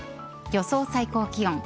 予想最高気温。